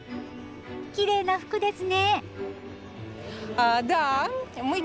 きれいな服ですね！